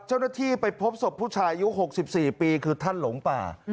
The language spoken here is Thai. เจ้าหน้าที่ไปพบศพผู้ชายอายุ๖๔ปีคือท่านหลงป่า